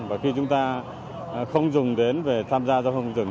và khi chúng ta không dùng đến về tham gia giao thông rừng